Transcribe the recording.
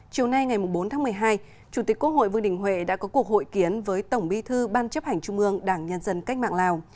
chiều nay ngày bốn tháng một mươi hai chủ tịch quốc hội vương đình huệ đã có cuộc hội kiến với tổng bí thư ban chấp hành trung ương đảng nhân dân cách mạng lào